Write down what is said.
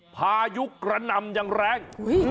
พายุกระนำอย่างแรง